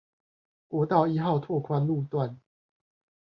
國道一號拓寬路段